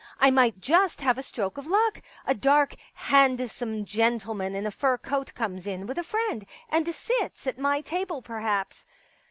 I might just have a stroke of luck. ... A dark handsome gentleman in a fur coat comes in with a friend, and sits at my table, perhaps.